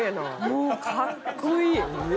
もうかっこいい！